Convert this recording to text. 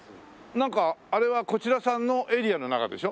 なんかあれはこちらさんのエリアの中でしょ？